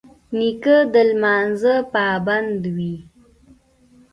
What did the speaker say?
نیکه د لمانځه پابند وي.